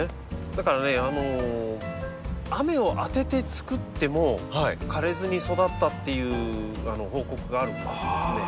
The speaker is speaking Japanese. だからね雨を当ててつくっても枯れずに育ったっていう報告があるぐらいでですね。